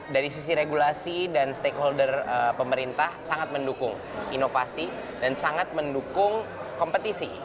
dari sisi regulasi dan stakeholder pemerintah sangat mendukung inovasi dan sangat mendukung kompetisi